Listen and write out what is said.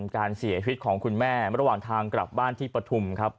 การเสียชีวิตของคุณแม่ระหว่างทางกลับบ้านที่ปฐุมครับ